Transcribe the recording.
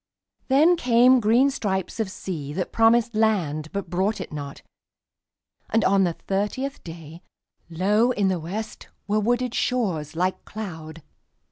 Then came green stripes of sea that promised landBut brought it not, and on the thirtieth dayLow in the West were wooded shores like cloud.